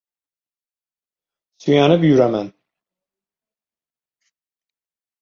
— Suyanib yuraman.